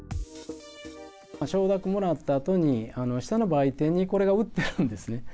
承諾をもらったあとに、下の売店にこれが売ってるんですね。